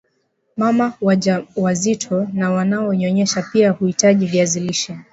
mama wajawazito na wanaonyonyesha pia huhitaji viazi lishe